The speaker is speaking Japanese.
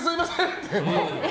って。